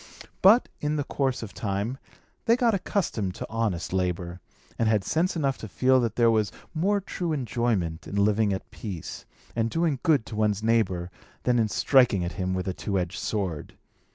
But, in course of time, they got accustomed to honest labour, and had sense enough to feel that there was more true enjoyment in living at peace, and doing good to one's neighbour, than in striking at him with a two edged sword.